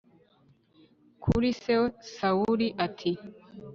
kuri se sawuli ati